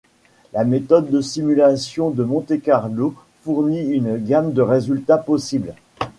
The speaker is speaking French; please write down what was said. La méthode de simulation de Monte-Carlo fournit une gamme de résultats possibles.